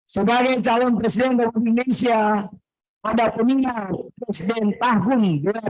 sebagai calon presiden gorontalo indonesia pada peninggal presiden tahun dua ribu dua puluh empat